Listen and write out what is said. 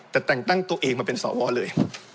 แต่แต่งตั้งตัวเองมาเป็นสวเลย